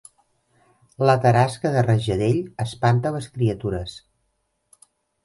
La tarasca de Rajadell espanta les criatures